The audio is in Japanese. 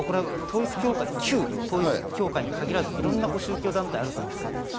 旧統一教会に限らず、いろんな宗教団体があると思うんですね。